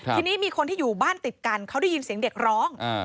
ทีนี้มีคนที่อยู่บ้านติดกันเขาได้ยินเสียงเด็กร้อง